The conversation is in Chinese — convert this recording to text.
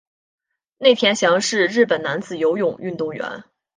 内田翔是日本男子游泳运动员。